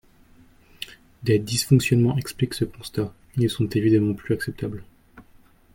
Des dysfonctionnements expliquent ce constat, ils ne sont évidemment plus acceptables.